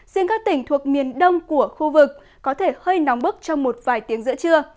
riêng các tỉnh thuộc miền đông của khu vực có thể hơi nóng bức trong một vài tiếng giữa trưa